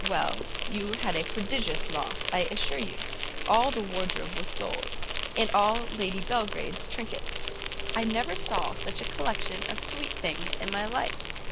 Well, you had a prodigious loss, I assure you. All the wardrobe was sold, and all Lady Belgrade's trinkets. I never saw such a collection of sweet things in my life.